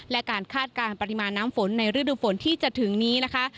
และการคาดการณ์ปริมาณน้ำฝนในฤดูฝนที่จะถึงนี้นะคะ